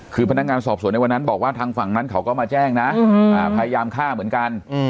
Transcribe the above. คือพนักงานสอบสวนในวันนั้นบอกว่าทางฝั่งนั้นเขาก็มาแจ้งนะพยายามฆ่าเหมือนกัน